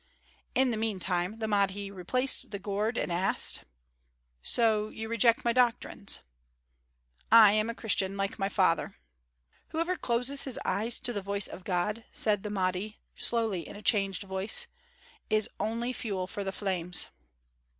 In the meantime the Mahdi replaced the gourd and asked: "So, you reject my doctrines?" "I am a Christian like my father." "Whoever closes his eyes to the voice of God," said the Mahdi slowly in a changed voice, "is only fuel for the flames."